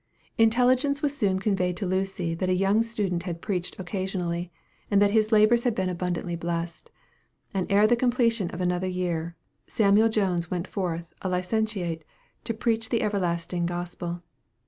Intelligence was soon conveyed to Lucy that a young student had preached occasionally, and that his labors had been abundantly blessed. And ere the completion of another year, Samuel Jones went forth a licentiate, to preach the everlasting gospel.